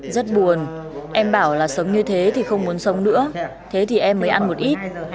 rất buồn em bảo là sống như thế thì không muốn sống nữa thế thì em mới ăn một ít